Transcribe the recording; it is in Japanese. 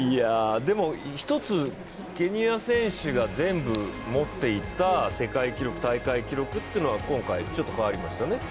ケニア選手が全部、持っていた世界記録大会記録が今回ちょっと変わりますよね。